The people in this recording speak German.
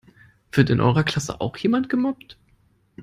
Wird in eurer Klasse auch jemand gemobbt?